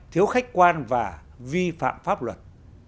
thiếu khách quan và vi phạm pháp luật